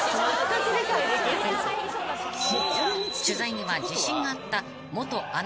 ［取材には自信があった］